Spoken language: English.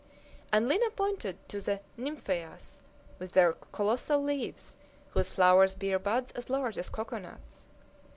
And Lina pointed to the nymphæas with their colossal leaves, whose flowers bear buds as large as cocoanuts.